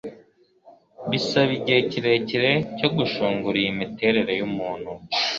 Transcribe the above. bisaba igihe kirekire cyo gushungura iyi miterere yumuntu